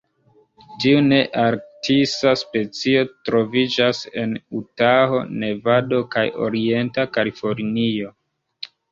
Tiu nearktisa specio troviĝas en Utaho, Nevado kaj orienta Kalifornio.